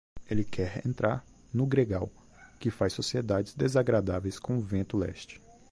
Ele quer entrar no gregal, que faz sociedades desagradáveis com o vento leste.